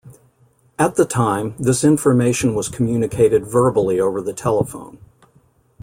At the time, this information was communicated verbally over the telephone.